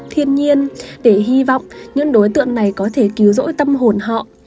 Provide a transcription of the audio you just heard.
thiên nhiên để hy vọng những đối tượng này có thể cứu rỗi tâm hồn họ